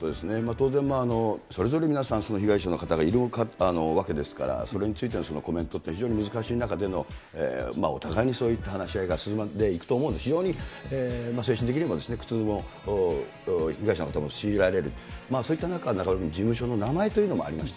当然、それぞれ皆さん、その被害者の方がいるわけですから、それについてのコメントというのは非常に難しい中での、お互いにそういった話し合いが進んでいくと思うんで、非常に精神的にも苦痛を被害者の方も強いられる、そういった中、中丸君、事務所の名前というのもありました。